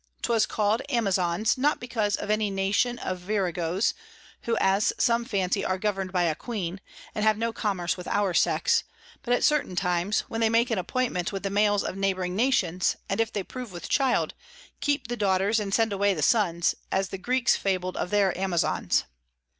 'Twas call'd Amazons, not because of any Nation of Virago's, who as some fancy are govern'd by a Queen, and have no Commerce with our Sex; but at certain times, when they make an Appointment with the Males of neighbouring Nations, and if they prove with Child, keep the Daughters and send away the Sons, as the Greeks fabled of their Amazons.